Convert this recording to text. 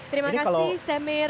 terima kasih samir